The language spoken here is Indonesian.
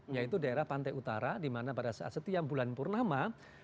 yaitu daerah pantai utara dimana pada saat setiap bulan purnama